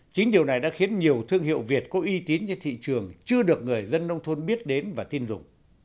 chính điều này đã khiến nhiều thương hiệu việt có uy tín trên thị trường chưa được người dân nông thôn biết đến và tin dùng